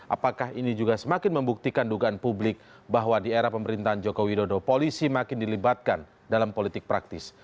apakah ini juga semakin membuktikan dugaan publik bahwa di era pemerintahan joko widodo polisi makin dilibatkan dalam politik praktis